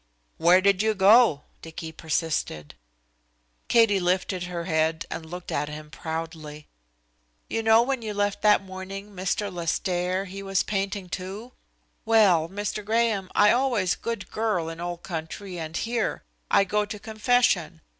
"Where did you go?" Dicky persisted. Katie lifted her head and looked at him proudly. "You know when you left that morning, Mr. Lestaire, he was painting, too? Well, Mr. Graham, I always good girl in old country and here. I go to confession.